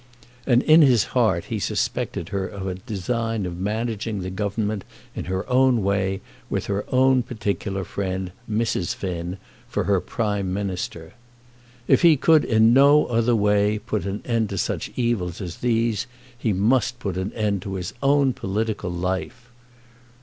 And in his heart he suspected her of a design of managing the Government in her own way, with her own particular friend, Mrs. Finn, for her Prime Minister. If he could in no other way put an end to such evils as these, he must put an end to his own political life.